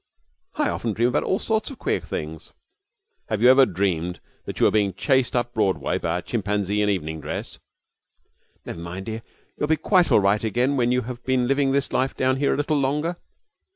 'I often dream about all sorts of queer things.' 'Have you ever dreamed that you were being chased up Broadway by a chimpanzee in evening dress?' 'Never mind, dear, you'll be quite all right again when you have been living this life down here a little longer.'